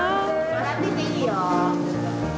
笑ってていいよ。